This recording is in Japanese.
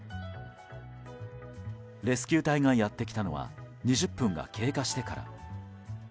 レスキュー隊がやってきたのは２０分が経過してから。